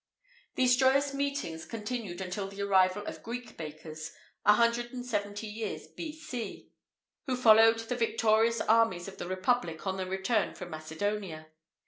[IV 47] These joyous meetings continued until the arrival of Greek bakers, 170 years B.C., who followed the victorious armies of the republic on their return from Macedonia.